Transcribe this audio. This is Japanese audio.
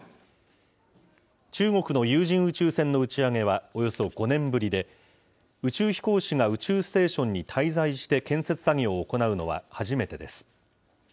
中国の有人宇宙船の打ち上げはおよそ５年ぶりで、宇宙飛行士が宇宙ステーションに滞在して建設作業を行うのは初めてです。